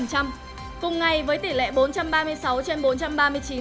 cùng ngày với tỷ lệ bốn trăm ba mươi sáu trên bốn trăm ba mươi chín